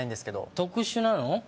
特殊なの？